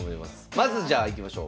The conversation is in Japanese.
まずじゃあいきましょう。